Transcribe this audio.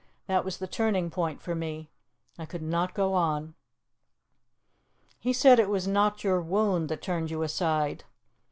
That was the turning point for me. I could not go on." "He said it was not your wound that turned you aside."